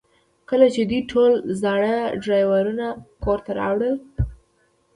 کله چې دوی ټول زاړه ډرایوونه کور ته راوړل